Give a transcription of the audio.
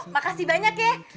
makasih banyak ya